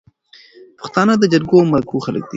پښتانه د جرګو او مرکو خلک دي